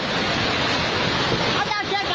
น้ำป่าที่มามาเร็วมาแรงมากเลยนะคะนี่บ้านพังทั้งหลังใช่ค่ะ